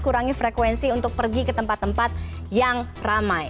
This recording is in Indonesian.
kurangi frekuensi untuk pergi ke tempat tempat yang ramai